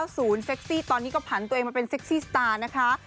เซ็กซี่ตอนนี้ก็ผันตัวเองมาเป็นเซ็กซี่สตาร์นะคะ